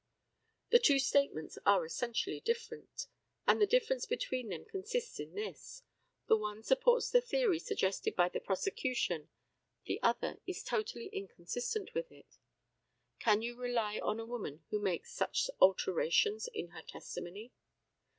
The two statements are essentially different, and the difference between them consists in this the one supports the theory suggested by the prosecution, the other is totally inconsistent with it. Can you rely on a woman who makes such alterations in her testimony?